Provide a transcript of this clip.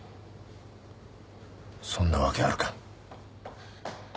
そんなわけあるか。